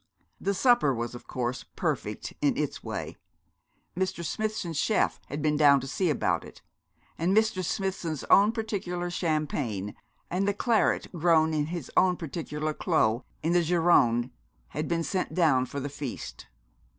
The supper was, of course, perfect in its way. Mr. Smithson's chef had been down to see about it, and Mr. Smithson's own particular champagne and the claret grown in his own particular clos in the Gironde, had been sent down for the feast.